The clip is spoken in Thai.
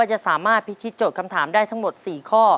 จะสามารถพิธีโจทย์คำถามได้ทั้งหมด๔ข้อ